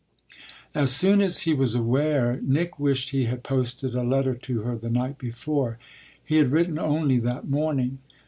As soon as he was aware Nick wished he had posted a letter to her the night before. He had written only that morning.